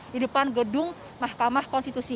di depan gedung mahkamah konstitusi